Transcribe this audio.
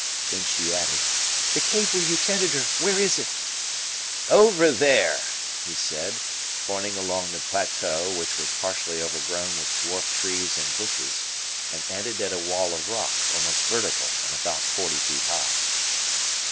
Then she added: "The cave where you tended her where is it?" "Over there," he said, pointing across the plateau, which was partially overgrown with dwarf trees and bushes, and ended at a wall of rock, almost vertical and about forty feet high.